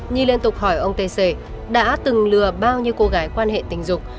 nhi liên tục hỏi ông t c đã từng lừa bao nhiêu cô gái quan hệ tình dục